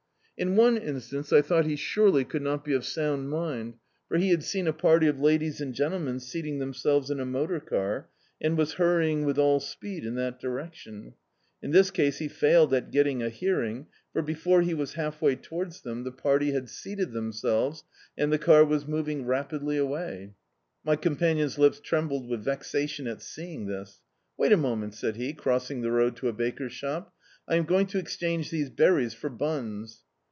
In one instance I thou^t he surely could not be of sound mind, for he had seen a party of ladies and gentlemen seating themselves in a motor car, and was hurrying with all speed in that (Urec* tion. In this case he failed at getting a hearing, for before he was half way towards them, the party D,i.,.db, Google A Day's Companion had seated themselves and the car was moving rap* idly away. My companion's lips trembled with vex ation at seeing this. "Wait a moment," said he, crossing the road to a baker's shop— "I am going to exchange these ber ries for buns."